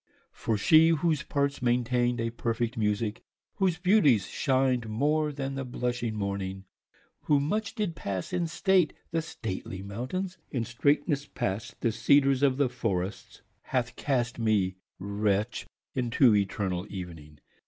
For she , whose parts maintainde a perfect musique, Whose beautie shin'de more then the blushing morning, Who much did passe in state the stately mountaines. In straightnes past the Cedars of the forrests , Hath cast me wretch into eternall evening.